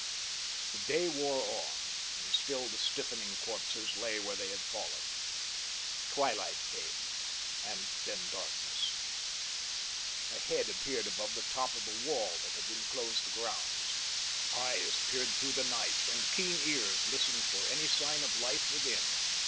The day wore on and still the stiffening corpses lay where they had fallen. Twilight came and then darkness. A head appeared above the top of the wall that had enclosed the grounds. Eyes peered through the night and keen ears listened for any sign of life within.